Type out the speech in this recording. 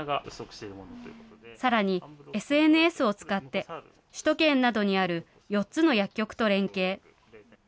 さらに、ＳＮＳを使って、首都圏などにある４つの薬局と連携。